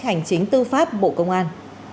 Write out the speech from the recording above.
hành chính tư pháp bộ công an